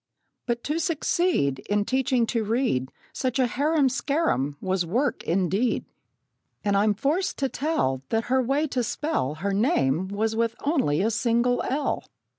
But to succeed In teaching to read Such a harum scarum, was work indeed! And I'm forced to tell That her way to spell Her name was with only a single 'l.'